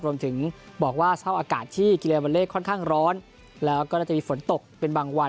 รวมถึงบอกว่าสภาพอากาศที่กีฬาวันเลขค่อนข้างร้อนแล้วก็น่าจะมีฝนตกเป็นบางวัน